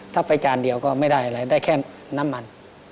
ถ้าไปจานเดียวก็ไม่ได้อะไรได้แค่น้ำมัน